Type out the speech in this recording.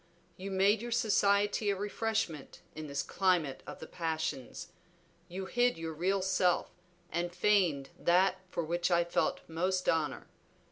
You made your society a refreshment in this climate of the passions; you hid your real self and feigned that for which I felt most honor.